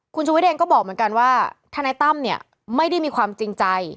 คุณชุวิตเองก็บอกเหมือนกันว่าทนายตั้มเนี่ยไม่ได้มีความจริงใจ